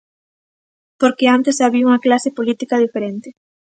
Porque antes había unha clase política diferente.